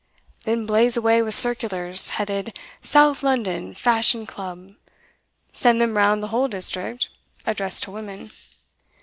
Then blaze away with circulars, headed "South London Fashion Club;" send them round the whole district, addressed to women.